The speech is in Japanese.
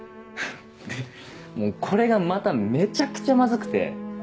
でこれがまためちゃくちゃまずくて。